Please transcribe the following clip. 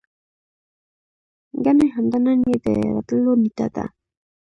ګني همدا نن يې د راتللو نېټه ده.